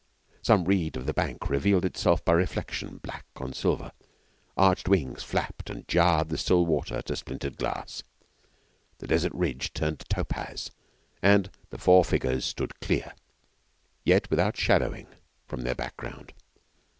Some reed of the bank revealed itself by reflection, black on silver; arched wings flapped and jarred the still water to splintered glass; the desert ridge turned to topaz, and the four figures stood clear, yet without shadowing, from their background.